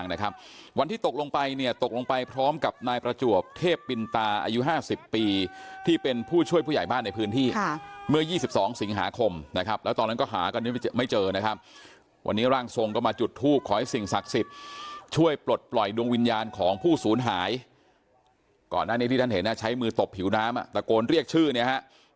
น้ำน้ำน้ำน้ำน้ำน้ำน้ำน้ำน้ำน้ำน้ำน้ำน้ำน้ำน้ำน้ำน้ำน้ำน้ำน้ำน้ำน้ำน้ำน้ำน้ำน้ำน้ำน้ำน้ำน้ำน้ำน้ำน้ำน้ำน้ำน้ำน้ำน้ำน้ำน้ำน้ำน้ำน้ำน้ำน้ำน้ำน้ำน้ำน้ำน้ำน้ำน้ำน้ำน้ำน้ำน